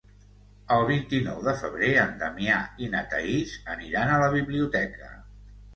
El vint-i-nou de febrer en Damià i na Thaís aniran a la biblioteca.